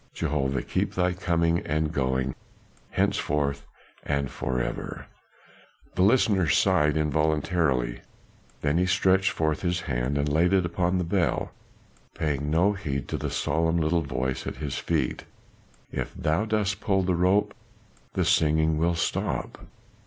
Jehovah keep thy coming and going Henceforth and for ever!" The listener sighed involuntarily; then he stretched forth his hand and laid it upon the bell paying no heed to the solemn little voice at his feet, "If thou dost pull the rope the singing will stop."